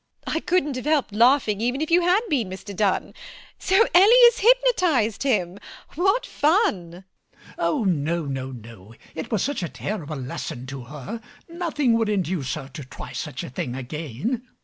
MRS HUSHABYE. I couldn't have helped laughing even if you had been, Mr Dunn. So Ellie has hypnotized him. What fun! MAZZINI. Oh no, no, no. It was such a terrible lesson to her: nothing would induce her to try such a thing again.